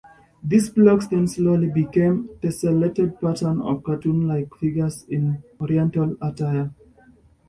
These blocks then slowly become a tessellated pattern of cartoon-like figures in oriental attire.